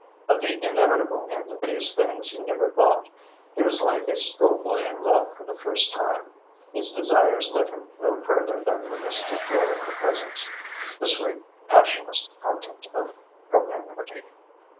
Of the inevitable end of these things he never thought. He was like a schoolboy in love for the first time. His desires led him no further than the mystic joy of her presence, the sweet, passionless content of propinquity.